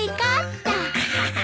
アハハ。